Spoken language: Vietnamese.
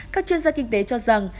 các chuyên gia kinh tế cho rằng